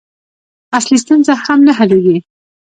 اصلي ستونزه هم نه حلېږي.